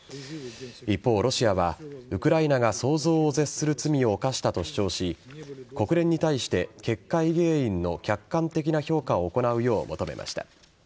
一方、ロシアはウクライナが想像を絶する罪を犯したと主張し国連に対して決壊原因の客観的評価を行うよう求めました。